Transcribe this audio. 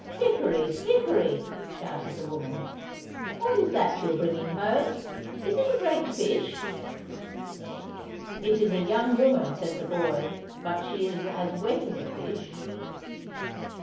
"Dickory! Dickory!" shouted the woman, "what is that you are bringing home? Is it a great fish?" "It is a young woman," said the boy, "but she is as wet as a fish."